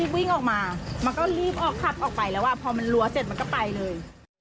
พอมันรัวเสร็จมันก็ไปเลย